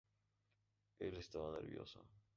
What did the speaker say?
Él estaba nervioso.